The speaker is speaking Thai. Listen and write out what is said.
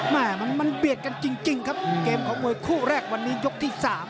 แม่มันเบียดกันจริงครับเกมของมวยคู่แรกวันนี้ยกที่๓